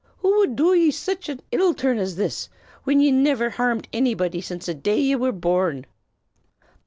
Who wud do ye sich an ill turn as this, whin ye niver harmed annybody since the day ye were born?"